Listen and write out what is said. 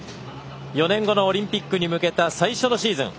４年後のオリンピックに向けた最初のシーズン。